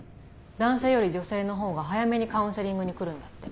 男性より女性のほうが早めにカウンセリングに来るんだって。